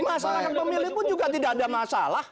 masyarakat pemilih pun juga tidak ada masalah